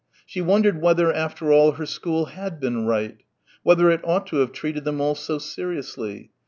She wondered whether, after all, her school had been right. Whether it ought to have treated them all so seriously.